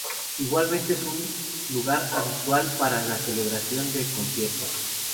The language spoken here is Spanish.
Igualmente es un lugar habitual para la celebración de conciertos.